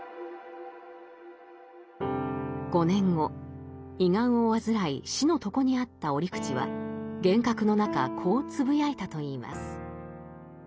５年後胃がんを患い死の床にあった折口は幻覚の中こうつぶやいたといいます。